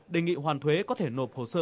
đề nghị hoàn thuế có thể nộp hồ sơ